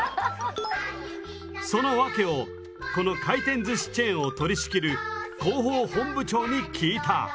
そのワケをこの回転ずしチェーンを取りしきる広報本部長に聞いた。